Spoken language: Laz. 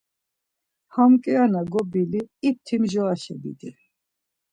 Ham kiana gobili, ipti mjoraşa bidi.